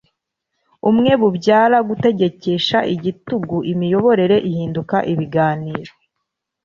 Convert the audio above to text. umwe bubyara gutegekesha igitugu Imiyoborere ihinduka ibiganiro